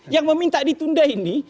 yang meminta ditunda ini